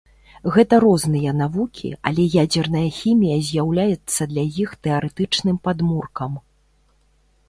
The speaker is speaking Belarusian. Гэта розныя навукі, але ядзерная хімія з'яўляецца для іх тэарэтычным падмуркам.